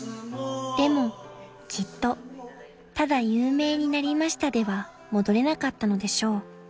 ［でもじっとただ「有名になりました」では戻れなかったのでしょう］